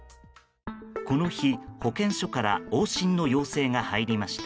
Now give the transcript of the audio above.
この日、保健所から往診の要請が入りました。